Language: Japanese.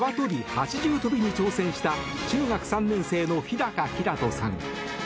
８重跳びに挑戦した中学生３年生の日高煌人さん。